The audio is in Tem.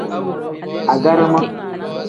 Agarama.